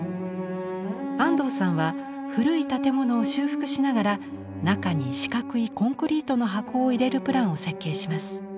安藤さんは古い建物を修復しながら中に四角いコンクリートの箱を入れるプランを設計します。